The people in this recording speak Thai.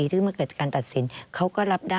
พ่อต้องอยู่กับพ่อและพ่อต้องอยู่กับพ่อ